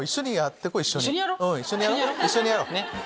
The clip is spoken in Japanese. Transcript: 一緒にやろう！